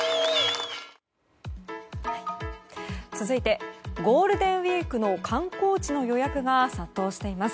続いてゴールデンウィークの観光地の予約が殺到しています。